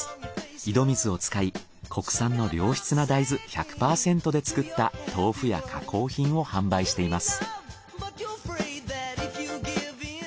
井戸水を使い国産の良質な大豆１００％で作った豆腐や加工品を販売しています。